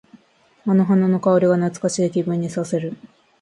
あの花の香りが懐かしい気分にさせる。